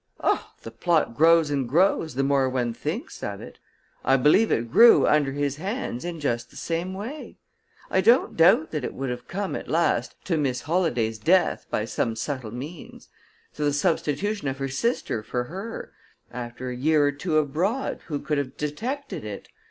"Oh, the plot grows and grows, the more one thinks of it! I believe it grew under his hands in just the same way. I don't doubt that it would have come, at last, to Miss Holladay's death by some subtle means; to the substitution of her sister for her after a year or two abroad, who could have detected it?